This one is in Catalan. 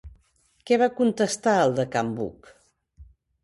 Què va contestar el de can Buc?